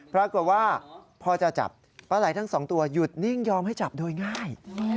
ปรากฏว่าพอจะจับปลาไหลทั้งสองตัวหยุดนิ่งยอมให้จับโดยง่าย